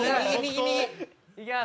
いきます。